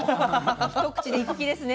一口で行く気ですね。